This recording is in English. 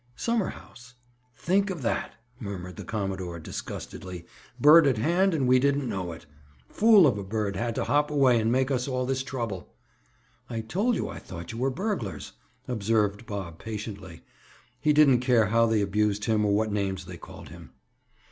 "Summer house." "Think of that," murmured the commodore, disgustedly. "Bird at hand, and we didn't know it. Fool of a bird had to hop away and make us all this trouble!" "I told you I thought you were burglars," observed Bob patiently. He didn't care how they abused him or what names they called him.